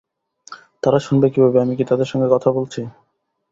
তারা শুনবে কীভাবে, আমি কি তাদের সঙ্গে কথা বলছি?